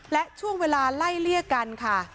และช่วงเวลาไล่เลี่ยกันค่ะ